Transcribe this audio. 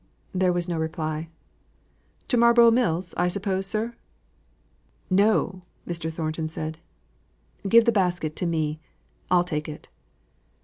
There was no reply. "To Marlborough Mills, I suppose, sir?" "No!" Mr. Thornton said. "Give the basket to me, I'll take it."